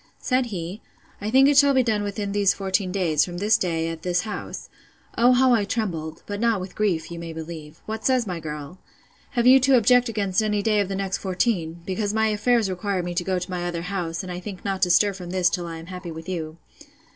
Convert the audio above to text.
Said he, I think it shall be done within these fourteen days, from this day, at this house. O how I trembled! but not with grief, you may believe—What says my girl? Have you to object against any day of the next fourteen: because my affairs require me to go to my other house, and I think not to stir from this till I am happy with you?